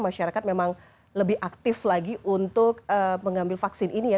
masyarakat memang lebih aktif lagi untuk mengambil vaksin ini ya